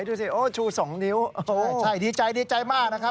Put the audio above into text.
ดูสิชูสองนิ้วโอ้โฮใช่ดีใจมากนะครับ